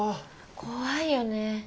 怖いよね。